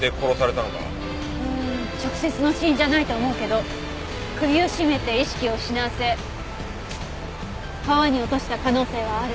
うーん直接の死因じゃないと思うけど首を絞めて意識を失わせ川に落とした可能性はある。